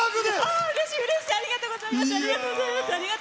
ありがとうございます！